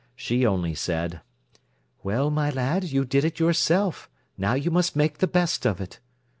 She only said: "Well, my lad, you did it yourself, now you must make the best of it."